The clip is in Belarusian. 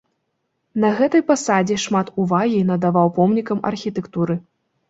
На гэтай пасадзе шмат увагі надаваў помнікам архітэктуры.